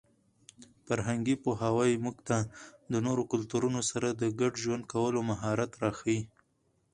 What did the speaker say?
فرهنګي پوهاوی موږ ته د نورو کلتورونو سره د ګډ ژوند کولو مهارت راښيي.